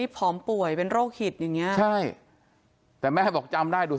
พร้อมป่วยเป็นโรคหิตแต่แม่บอกจำได้